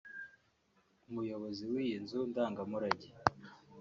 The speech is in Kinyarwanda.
umuyobozi w’iyi nzu ndangamurage